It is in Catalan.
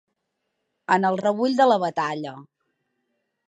En el rebull de la batalla.